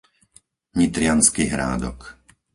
Nitriansky Hrádok